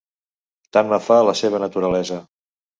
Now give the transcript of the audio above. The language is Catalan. Tant me fa la seva naturalesa.